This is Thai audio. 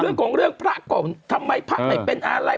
เขาตามตรงเรื่องพระก่อนทำไมพระใหม่เป็นอะไร